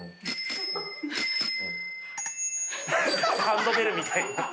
ハンドベルみたいになってる。